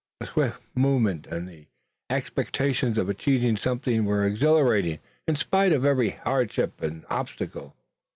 The swift movement and the expectation of achieving something were exhilarating in spite of every hardship and obstacle.